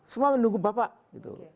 semua menunggu bapak gitu